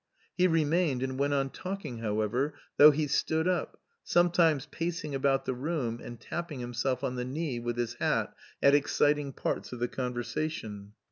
He remained and went on talking, however, though he stood up, sometimes pacing about the room and tapping himself on the knee with his hat at exciting parts of the conversation.